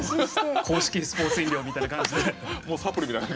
公式スポーツ飲料みたいな感じで。